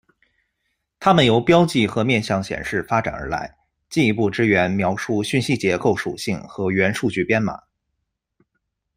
它们由标记和面向显示发展而来，进一步支援描述讯息结构属性和元数据编码。